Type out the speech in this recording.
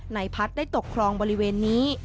นายพัฒน์ได้ตกคลองบริเวณนี้